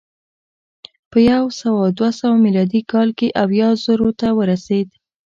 په یو سوه دوه سوه میلادي کال کې اویا زرو ته ورسېد